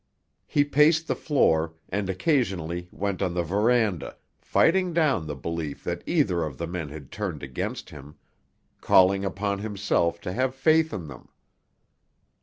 He paced the floor, and occasionally went on the veranda, fighting down the belief that either of the men had turned against him, calling upon himself to have faith in them.